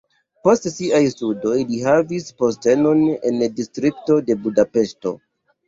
Post siaj studoj li havis postenon en distrikto de Budapeŝto.